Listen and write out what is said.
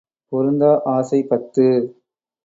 பொருந்தா ஆசை பத்து.